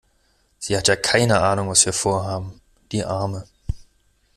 Sie hat ja keine Ahnung was wir Vorhaben. Die Arme.